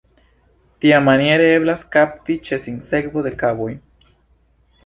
Tiamaniere eblas kapti ĉe sinsekvo de kavoj.